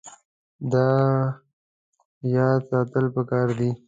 دا یاد ساتل پکار دي.